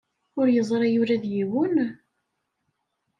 Ur yeẓri ula d yiwen?